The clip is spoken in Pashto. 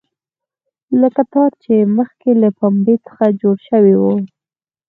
لکه تار چې مخکې له پنبې څخه جوړ شوی وي.